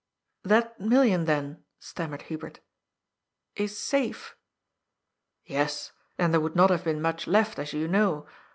" That million, then," stammered Hubert, "is safe?" " Yes, or there would not have been much left, as you know.